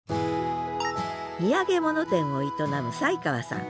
土産物店を営む宰川さん。